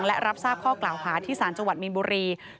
และรับทราบข้อกล่าวหาที่สารจังหวัดมีนบุรี